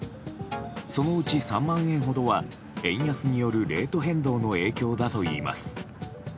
そのうち３万円ほどは円安によるレート変動の影響だといいます。